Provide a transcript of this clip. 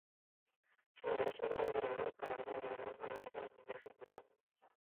甚至于秋刀鱼也有烤鱼串的罐头在市面上贩售。